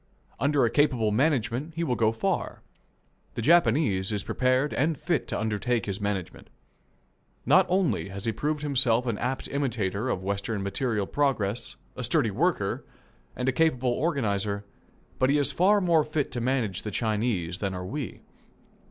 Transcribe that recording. Under a capable management he will go far. The Japanese is prepared and fit to undertake this management. Not only has he proved himself an apt imitator of Western material progress, a sturdy worker, and a capable organizer, but he is far more fit to manage the Chinese than are we.